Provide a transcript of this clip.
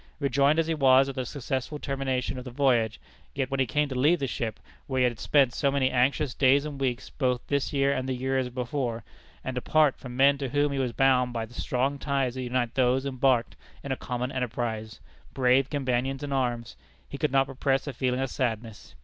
Rejoiced as he was at the successful termination of the voyage, yet when he came to leave the ship, where he had spent so many anxious days and weeks, both this year and the year before; and to part from men to whom he was bound by the strong ties that unite those embarked in a common enterprise brave companions in arms he could not repress a feeling of sadness.